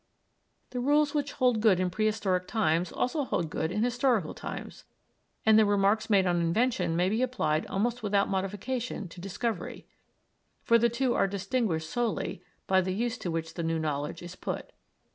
The rules which hold good in prehistoric times also hold good in historical times, and the remarks made on invention may be applied almost without modification to discovery; for the two are distinguished solely by the use to which the new knowledge is put.